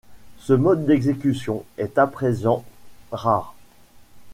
Ce mode d'exécution est à présent rare.